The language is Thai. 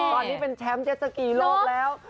ตอนนี้เป็นแชมป์เจ็ดสกีโลกแล้ว